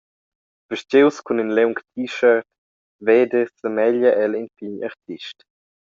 Vestgius cun in liung t-shirt veder semeglia el in pign artist.